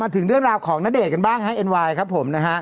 มาถึงเรื่องราวของณเดชน์กันบ้างนะครับเอ็นไวน์ครับผม